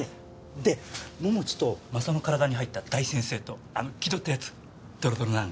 で桃地とマサオの体に入った大先生とあの気取った奴ドロドロなの？